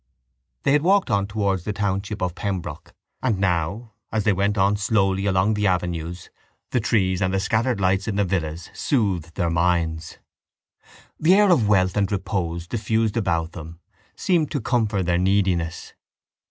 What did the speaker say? They had walked on towards the township of Pembroke and now, as they went on slowly along the avenues, the trees and the scattered lights in the villas soothed their minds. The air of wealth and repose diffused about them seemed to comfort their neediness.